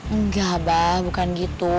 enggak abah bukan gitu